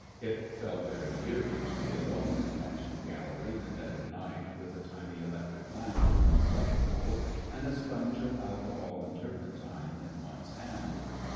It felt very eerie to be alone in the National Gallery in the dead of the night with a tiny electric lamp in one's buttonhole and a sponge of alcohol and turpentine in one's hand.